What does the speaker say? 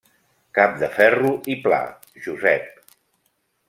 Capdeferro i Pla, Josep.